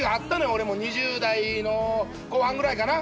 俺も２０代の後半ぐらいかな。